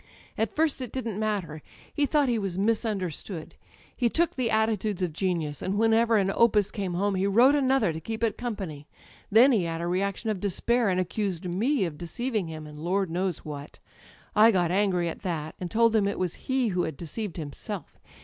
''At first it didn't matter â€" ^he thought he was * mis understood.' He took the attitudes of genius, and when ever an opus came home he wrote another to keep it company. Then he had a reaction of despair, and accused me of deceiving him, and Lord knows what. I got angry at that, and told him it was he who had deceived himself.